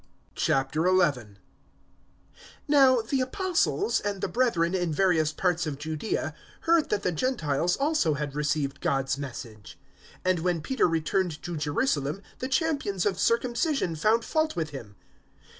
011:001 Now the Apostles, and the brethren in various parts of Judaea, heard that the Gentiles also had received God's Message; 011:002 and, when Peter returned to Jerusalem, the champions of circumcision found fault with him.